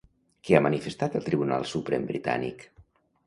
Què ha manifestat el Tribunal Suprem britànic?